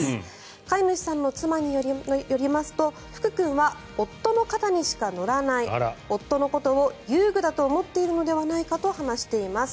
飼い主さんの妻によりますとふく君は夫の肩にしか乗らない夫のことを遊具だと思っているのではないかと話しています。